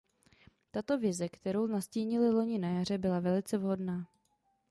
Tato vize, kterou nastínili loni na jaře, byla velice vhodná.